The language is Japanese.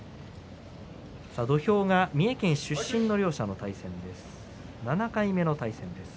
土俵が三重県出身の両者の対戦です。